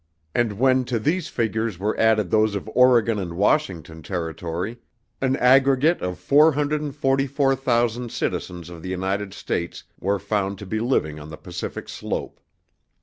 And when to these figures were added those of Oregon and Washington Territory, an aggregate of 444,000 citizens of the United States were found to be living on the Pacific Slope.